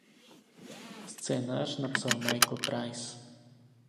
Scénář napsal Michael Price.